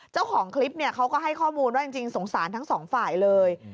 เจ้าของคลิปเขาก็ให้ข้อมูลว่าจริงสงสารทั้งสองฝ่ายเลย